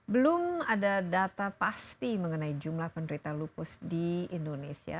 belum ada data pasti mengenai jumlah penderita lupus di indonesia